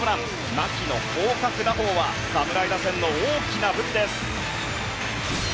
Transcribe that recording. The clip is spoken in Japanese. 牧の広角打法は侍打線の大きな武器です。